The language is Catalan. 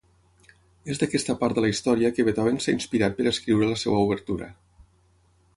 És d'aquesta part de la història que Beethoven s'ha inspirat per escriure la seva obertura.